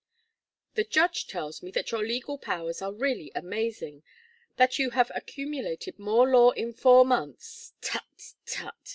"The judge tells me that your legal powers are really amazing that you have accumulated more law in four months " "Tut! Tut!"